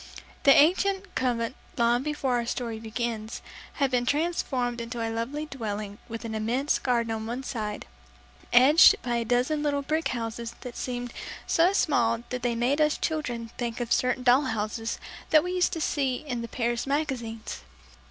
The ancient convent long before our story begins had been transformed into a lovely dwelling with an immense garden on one side, edged by a dozen little brick houses that seemed so small that they made us children think of certain doll houses that we used to see in the Paris magazines.